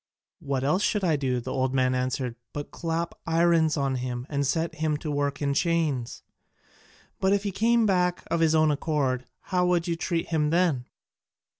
"What else should I do," the old man answered, "but clap irons on him and set him to work in chains?" "But if he came back of his own accord, how would you treat him then?"